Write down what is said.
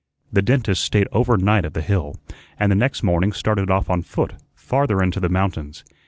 The dentist stayed over night at the Hill, and the next morning started off on foot farther into the mountains.